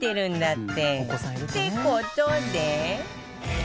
ってことで。